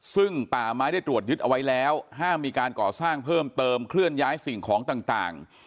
ซึ่งป่าไม้ได้ตรวจยึดเอาไว้แล้วห้ามมีการก่อสร้างเพิ่มเติมเคลื่อนย้ายสิ่งของต่าง